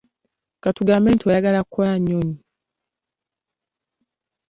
Ka tugambe nti oyagala kukola nnyonyi.